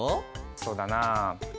そうだな。